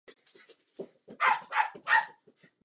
Princezna Caroline studovala v Anglii a Francii.